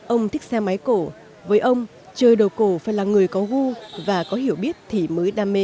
ông thích xe máy cổ với ông chơi đồ cổ phải là người có gu và có hiểu biết thì mới đam mê